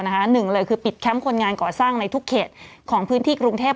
หนึ่งเลยคือปิดแคมป์คนงานก่อสร้างในทุกเขตของพื้นที่กรุงเทพ